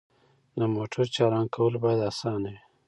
د موټر چالان کول باید اسانه وي.